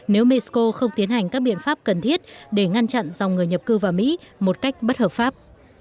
nếu mexico không tiến hành các biện pháp cần thiết để ngăn chặn dòng người nhập cư vào mỹ một cách bất hợp pháp